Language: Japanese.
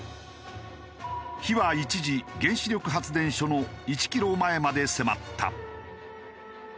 火は一時原子力発電所の１キロ前まで迫った。